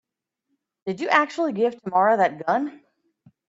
Did you actually give Tamara that gun?